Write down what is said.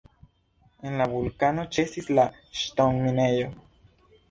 En la vulkano ĉesis la ŝtonminejo.